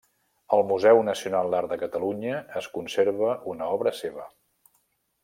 Al Museu Nacional d'Art de Catalunya es conserva una obra seva.